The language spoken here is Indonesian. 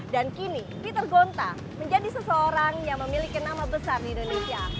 dan kini peter gonta menjadi seseorang yang memiliki nama besar di indonesia